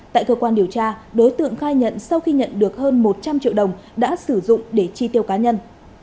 tại cơ quan điều tra đối tượng khai nhận sau khi nhận được hơn một trăm linh triệu đồng đã sử dụng để chi tiêu cá nhân